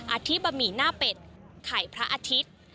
อาทิตย์บะหมี่หน้าเป็ดไข่พระอาทิตย์